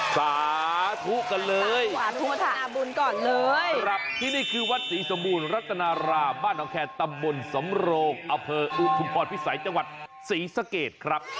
สาธุกันเลยที่นี่คือวัดศรีสมบูรณ์รัฐนาราบ้านของแค่ตำบลสำโลกอเภออุทุพรภิกษัยจังหวัดศรีสะเกรดครับ